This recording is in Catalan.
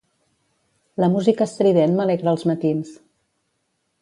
La música estrident m'alegra els matins.